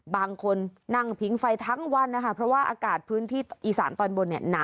บางคนนั่งพิงไฟทั้งวันนะคะเพราะว่าอากาศพื้นที่อีสานตอนบนเนี่ยหนา